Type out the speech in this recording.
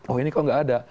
oh ini kok nggak ada